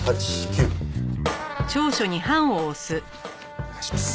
お願いします。